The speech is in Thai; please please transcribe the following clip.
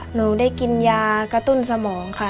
หนูได้กินยากระตุ้นสมองค่ะ